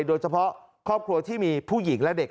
โดยเฉพาะครอบครัวที่มีผู้หญิงและเด็ก